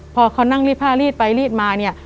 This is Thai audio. พอเขานั่งรีดผ้ารีดไปรีดมาเนี่ย